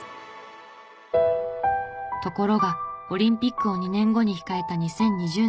ところがオリンピックを２年後に控えた２０２０年。